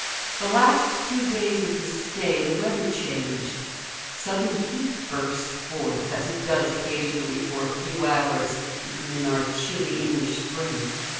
The last two days of his stay the weather changed. Sudden heat burst forth, as it does occasionally for a few hours even in our chilly English spring.